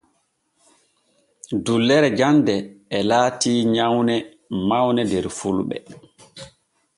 Dullere jande e laati nyawne mawne der fulɓe.